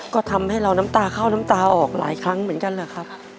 ก็ทำให้เราน้ำตาเข้าน้ำตาออกหลายครั้งเหมือนกันแหละครับ